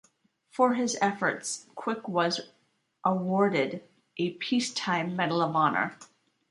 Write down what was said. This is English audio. For his efforts, Quick was awarded a peacetime Medal of Honor.